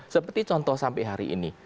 seperti contoh sampai hari ini